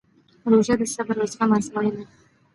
روژه د صبر او زغم ازموینه ده.